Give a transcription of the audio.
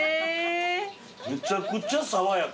めちゃくちゃ爽やか。